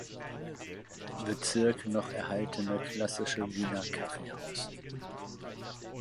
Bezirk noch erhaltene klassische Wiener Kaffeehaus.